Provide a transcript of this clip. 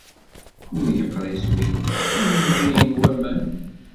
Ur yeqris uyeddid ur nɣilen waman.